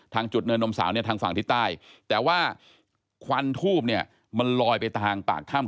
ทางจุดเนินนมสาวเนี่ยทางฝั่งทิศใต้แต่ว่าควันทูบเนี่ยมันลอยไปทางปากถ้ำ